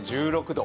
１６度。